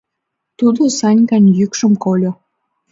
— тудо Санькан йӱкшым кольо.